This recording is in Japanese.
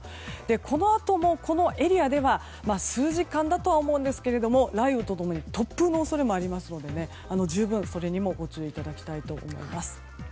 このあともこのエリアでは数時間だとは思うんですが雷雨と共に突風の恐れもありますので十分それにもご注意いただきたいと思います。